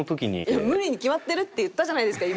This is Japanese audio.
いや無理に決まってるって言ったじゃないですか